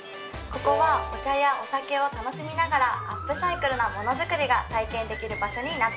ここはお茶やお酒を楽しみながらアップサイクルな物作りが体験できる場所になっています。